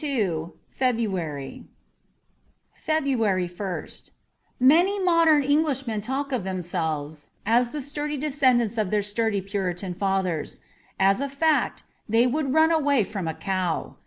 32 February i FEBRUARY ist M ANY modern Englishmen talk of them selves as the sturdy descendants of their sturdy Puritan fathers. As a fact, they would run away from a cow.